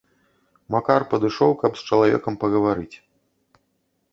Макар падышоў, каб з чалавекам пагаварыць.